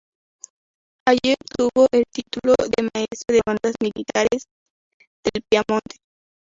Allí obtuvo el título de maestro de bandas militares del Piamonte.